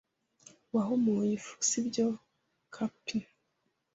wahumuye ifu - sibyo, cap'n? ”